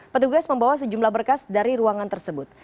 petugas membawa sejumlah berkas dari ruangan tersebut